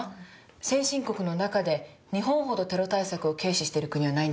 先進国の中で日本ほどテロ対策を軽視してる国はないんですからね。